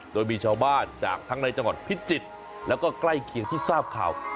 โดยมีชาวบ้านจากทั้งในจังหวัดพิจิตรแล้วก็ใกล้เคียงที่ทราบข่าว